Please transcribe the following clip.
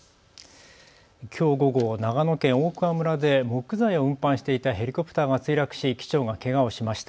きょう午後、長野県大桑村で木材を運搬していたヘリコプターが墜落し機長がけがをしました。